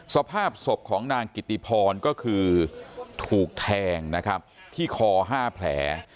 สภาพศพของนางกิตติพรก็คือถูกแทงที่คอฮ่าแผล